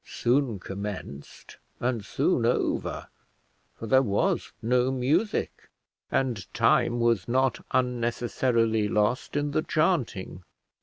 Soon commenced and soon over, for there was no music, and time was not unnecessarily lost in the chanting.